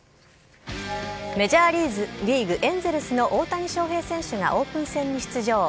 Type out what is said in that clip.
メジャーリーグ・エンゼルスの大谷翔平選手がオープン戦に出場。